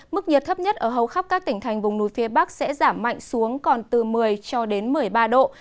mức nhiệt thấp nhất ở hầu khắp các tỉnh thành vùng núi phía bắc sẽ giảm mạnh xuống còn từ một mươi cho đến một mươi ba độ